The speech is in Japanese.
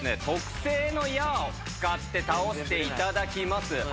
特製の矢を使って倒していただきます。